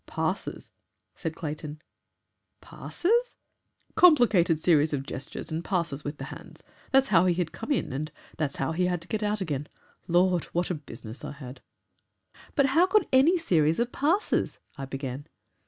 "Passes," said Clayton. "Passes?" "Complicated series of gestures and passes with the hands. That's how he had come in and that's how he had to get out again. Lord! what a business I had!" "But how could ANY series of passes ?" I began.